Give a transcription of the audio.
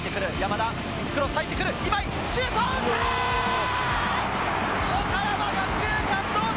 今井、シュートを打った！